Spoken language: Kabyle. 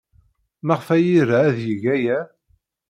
Maɣef ay ira ad yeg aya?